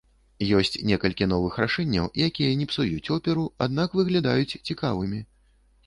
Ёсць некалькі новых рашэнняў, якія не псуюць оперу, аднак выглядаюць цікавымі.